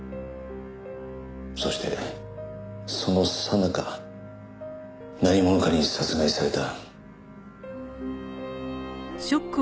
そしてそのさなか何者かに殺害された。